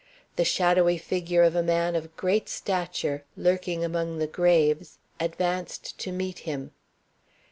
The shadowy figure of a man of great stature, lurking among the graves, advanced to meet him.